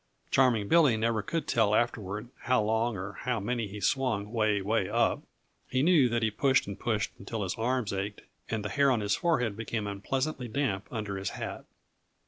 Charming Billy never could tell afterward how long or how many he swung 'way, 'way up; he knew that he pushed and pushed until his arms ached and the hair on his forehead became unpleasantly damp under his hat.